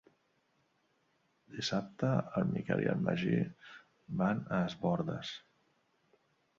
Dissabte en Miquel i en Magí van a Es Bòrdes.